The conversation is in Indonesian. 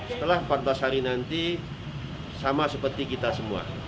setelah empat belas hari nanti sama seperti kita semua